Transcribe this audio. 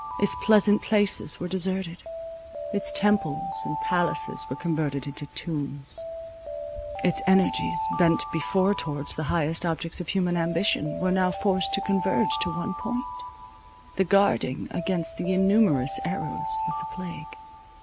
Its pleasant places were deserted; its temples and palaces were converted into tombs; its energies, bent before towards the highest objects of human ambition, were now forced to converge to one point, the guarding against the innumerous arrows of the plague.